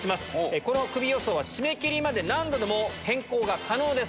このクビ予想は締め切りまで何度でも変更が可能です。